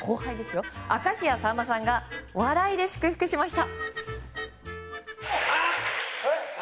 明石家さんまさんが笑いで祝福しました。